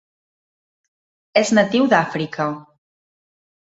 És natiu d'Àfrica.